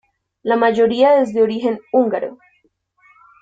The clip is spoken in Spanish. La mayoría es de origen húngaro.